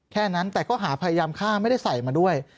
แค่นั้นแต่ก็หาพยายามฆ่าไม่ได้ใส่มาด้วย